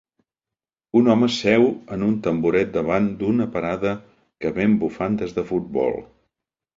Un home seu en un tamboret davant d'una parada que ven bufandes de futbol